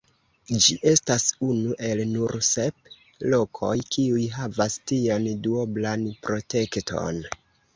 Ĝi estas unu el nur sep lokoj, kiuj havas tian duoblan protekton.